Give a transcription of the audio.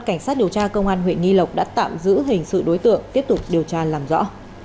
cảnh sát điều tra công an huyện nghi lộc đã tạm giữ hình sự đối tượng tiếp tục điều tra làm rõ